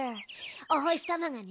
おほしさまがね